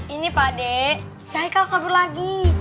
ini pak dek heikal kabur lagi